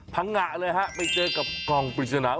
งะเลยฮะไปเจอกับกล่องปริศนา